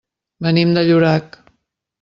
Venim de Llorac.